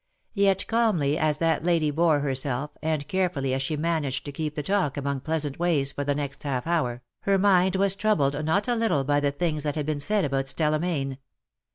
Yet calmly as that lady bore herself, and carefully as she managed to keep the talk among pleasant ways for the next half hour, her mind was troubled not a little by the things that had been said about Stella Mayne.